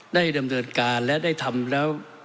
ได้ดำเนินการและได้ทำแล้ว